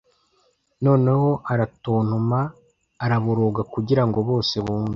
noneho aratontoma araboroga kugirango bose bumve